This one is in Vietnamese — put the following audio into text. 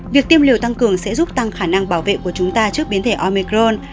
việc tiêm liều tăng cường sẽ giúp tăng khả năng bảo vệ của chúng ta trước biến thể omicron